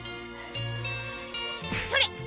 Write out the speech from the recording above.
それ！